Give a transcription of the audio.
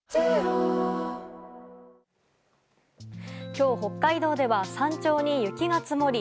今日、北海道では山頂に雪が積もり